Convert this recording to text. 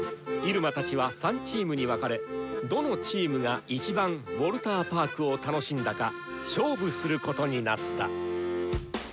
入間たちは３チームに分かれどのチームが一番ウォルターパークを楽しんだか勝負することになった！